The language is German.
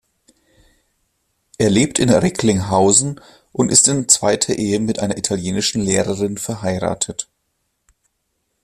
Er lebt in Recklinghausen und ist in zweiter Ehe mit einer italienischen Lehrerin verheiratet.